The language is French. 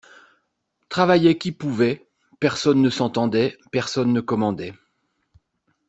Travaillait qui pouvait, personne ne s’entendait, personne ne commandait.